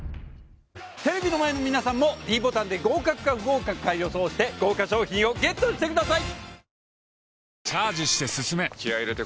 テレビの前の皆さんも ｄ ボタンで合格か不合格か予想して豪華賞品を ＧＥＴ してください！